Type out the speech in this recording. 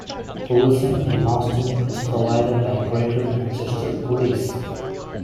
Policing in Moston is provided by Greater Manchester Police.